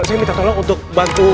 saya minta tolong untuk bantu